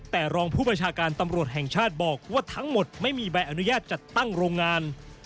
แต่รองผู้ประชาการตำรวจแห่งชาติบอกว่าทั้งหมดไม่มีใบอนุญาตจัดตั้งโรงงาน